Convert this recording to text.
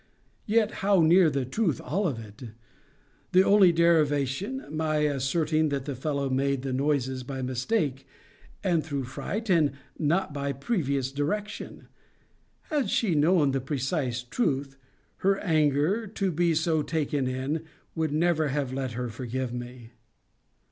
Yet how near the truth all of it! The only derivation, my asserting that the fellow made the noises by mistake, and through fright, and not by previous direction: had she known the precise truth, her anger, to be so taken in, would never have let her forgive me.